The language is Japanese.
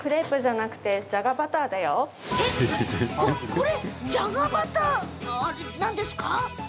これじゃがバターなんですか？